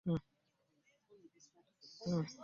Abakulembeze ba disitulikiti bonna beekutte kitole.